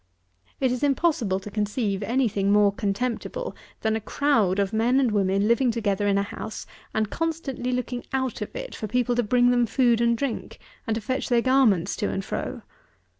It is impossible to conceive any thing more contemptible than a crowd of men and women living together in a house, and constantly looking out of it for people to bring them food and drink, and to fetch their garments to and fro.